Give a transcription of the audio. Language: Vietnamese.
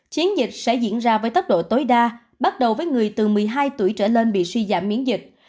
chiến dịch sẽ diễn ra với tốc độ tối đa bắt đầu với người từ một mươi hai tuổi trở lên bị suy giảm miễn dịch